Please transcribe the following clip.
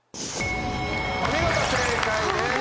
お見事正解です。